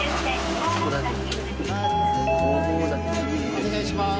お願いしまーす。